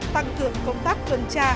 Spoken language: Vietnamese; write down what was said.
tăng cường công tác tuần tra